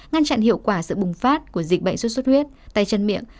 ngăn chặn hiệu quả sự bùng phát của dịch bệnh xuất xuất huyết tay chân miệng